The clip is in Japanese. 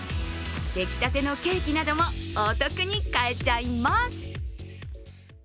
出来たてのケーキなどもお得に買えちゃいます。